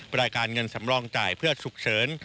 รายการเงินสำรองจ่ายเพื่อฉุกเฉิน